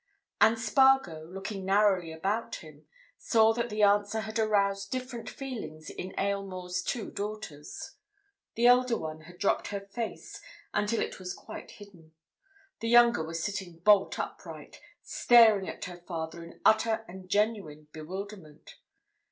And Spargo, looking narrowly about him, saw that the answer had aroused different feelings in Aylmore's two daughters. The elder one had dropped her face until it was quite hidden; the younger was sitting bolt upright, staring at her father in utter and genuine bewilderment.